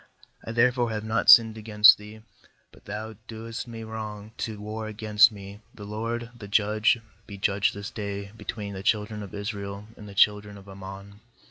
27I therefore have not sinned against thee, but thou doest me wrong to war against me; the LORD, the Judge, be judge this day between the children of Israel and the children of Ammon.'